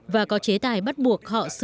và có chế tài bắt buộc họ sẽ tự nhiên tìm hiểu